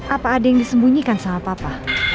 apa ada yang disembunyikan sama papa